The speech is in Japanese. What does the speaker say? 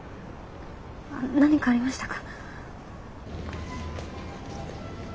何かありましたか？